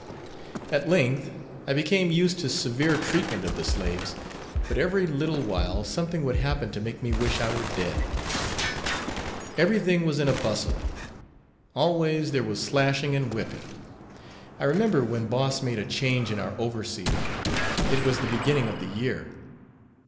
At length, I became used to severe treatment of the slaves; but, every little while something would happen to make me wish I were dead. Everything was in a bustle always there was slashing and whipping. I remember when Boss made a change in our overseer. It was the beginning of the year.